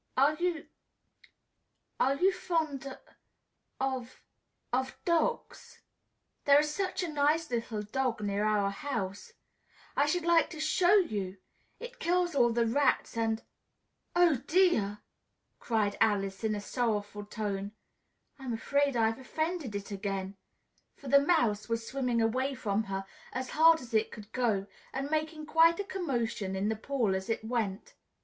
"Are you are you fond of of dogs? There is such a nice little dog near our house, I should like to show you! It kills all the rats and oh, dear!" cried Alice in a sorrowful tone. "I'm afraid I've offended it again!" For the Mouse was swimming away from her as hard as it could go, and making quite a commotion in the pool as it went.